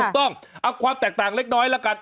ถูกต้องเอาความแตกต่างเล็กน้อยละกัน